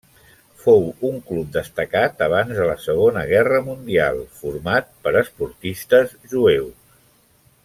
Fou un club destacat abans de la Segona Guerra Mundial, format per esportistes jueus.